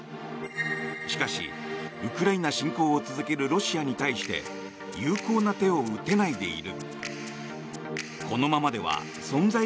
しかし、ウクライナ侵攻を続けるロシアに対して有効な手を打てないでいる。